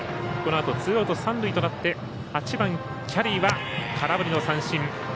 このあとツーアウト、三塁となって８番、キャリーは空振りの三振。